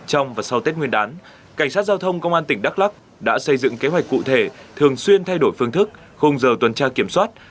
trong và sau tết nguyên đán cảnh sát giao thông công an tỉnh đắk lắc đã xây dựng kế hoạch cụ thể thường xuyên thay đổi phương thức không giờ tuần tra kiểm soát